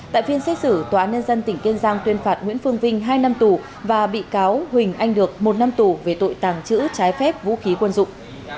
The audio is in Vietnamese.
tại phiên xét xử tòa án nhân dân tỉnh kiên giang tuyên phạt nguyễn phương vinh hai năm tù và bị cáo huỳnh anh được một năm tù về tội tàng trữ trái phép vũ khí quân dụng